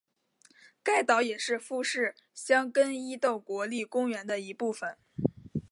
该岛也是富士箱根伊豆国立公园的一部分。